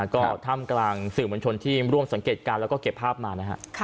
ก็ท่ามกลางสื่อมวลชนที่ร่วมสังเกตการณ์แล้วก็เก็บภาพมานะฮะ